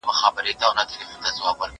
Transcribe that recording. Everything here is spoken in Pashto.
کېدای سي جواب ستونزي ولري!؟